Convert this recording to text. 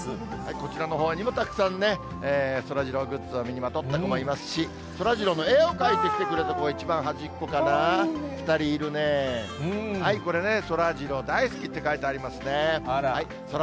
こちらのほうにもたくさんね、そらジローグッズを身にまとった子もいますし、そらジローの絵を描いてきてくれた子、一番端っこかな、これね、そらジロー大好きって書いてありますね。